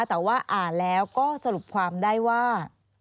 แต่ว่าอ่านแล้วก็สรุปความได้ว่า